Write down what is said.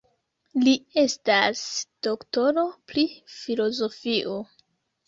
Li estas doktoro pri filozofio.